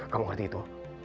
kamu ngerti itu